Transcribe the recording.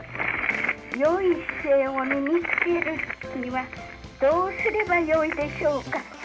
良い姿勢を身につけるにはどうすればよいでしょうか？